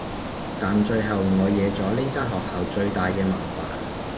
但最後我惹咗呢間學校最大嘅麻煩